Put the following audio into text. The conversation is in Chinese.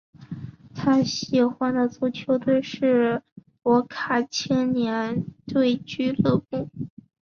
他最喜欢的足球队是博卡青年队俱乐部。